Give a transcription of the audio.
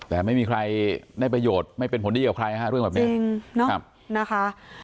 แต่ไม่มีใครได้ประโยชน์ไม่เป็นผลดีกับใครฮะเรื่องแบบนี้จริงเนาะนะคะ